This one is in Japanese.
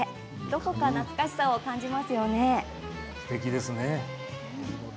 どこか懐かしさを感じますよね。